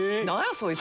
そいつ。